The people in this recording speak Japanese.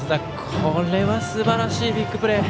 これはすばらしいビッグプレー。